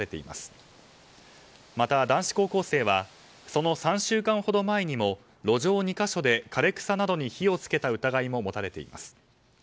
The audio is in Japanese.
また、男子高校生はその３週間ほど前にも路上２か所で枯れ草などに火を付けた疑いも持たれています。